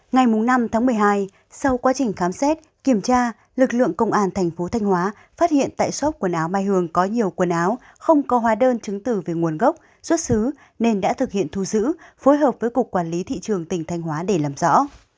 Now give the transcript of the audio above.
ngày năm tháng một mươi hai sau quá trình khám xét kiểm tra lực lượng công an thành phố thanh hóa phát hiện tại xốp quần áo mai hường có nhiều quần áo không có hóa đơn chứng tử về nguồn gốc xuất xứ nên đã thực hiện thu giữ phối hợp với cục quản lý thị trường tỉnh thanh hóa để làm rõ